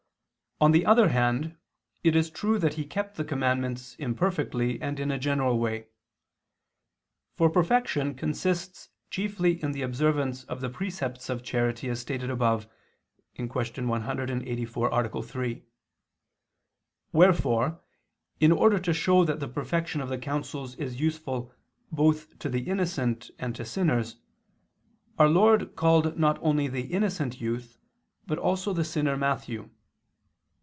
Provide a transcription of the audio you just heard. On the other hand, it is true that he kept the commandments imperfectly and in a general way. For perfection consists chiefly in the observance of the precepts of charity, as stated above (Q. 184, A. 3). Wherefore in order to show that the perfection of the counsels is useful both to the innocent and to sinners, our Lord called not only the innocent youth but also the sinner Matthew.